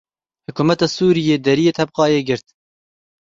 Hikûmeta Sûriyê deriyê Tebqayê girt.